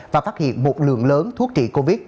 và phát hiện một lượng lớn thuốc trị covid